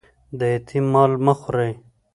د یتیم مال مه خورئ